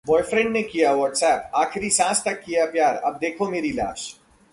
boyfriend को किया Whatsapp- आखिरी सांस तक किया प्यार, अब देखो मेरी लाश